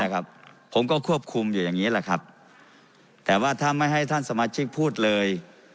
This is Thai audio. ให้ครับผมก็ควบคุมอยู่อย่างนี้ครับแต่ว่าทำให้ท่านสมาชิกพูดเลย